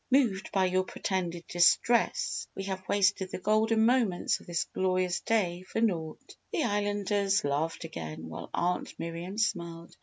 Moved by your pretended distress we have wasted the golden moments of this glorious day for naught!" The Islanders laughed again while Aunt Miriam smiled.